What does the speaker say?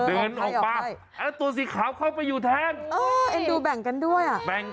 เออเอ็นดูแบ่งกันด้วย